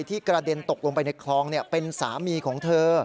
กระเด็นตกลงไปในคลองเป็นสามีของเธอ